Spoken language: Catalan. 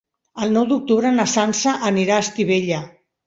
El nou d'octubre na Sança anirà a Estivella.